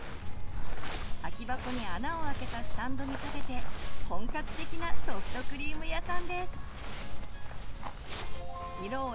空き箱に穴をあけたスタンドに立てて本格的なソフトクリーム屋さんです！